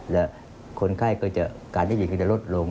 และคนไข้ก็จะการได้ยินก็จะลดลง